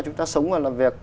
chúng ta sống và làm việc